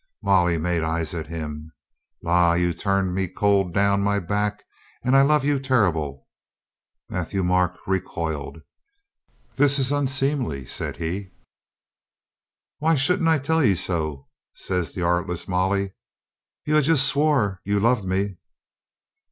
Molly made eyes at him. "La, you turn me cold down my back and I love you terrible." Matthieu Marc recoiled. "This is unseemly," said he. "Why shouldn't I tell 'e so?" says the artless Molly. "You ha' just swore you loved me."